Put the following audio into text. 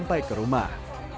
sampai ke rumah